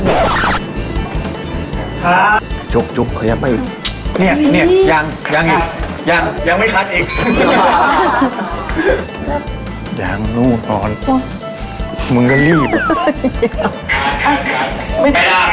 แล้วผมก็เยียร์ยันเหมือนกันครับว่าสลักไปนั้นเป็นของผม